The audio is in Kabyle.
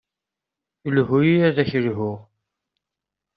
Lhu-yi ad ak-lhuɣ.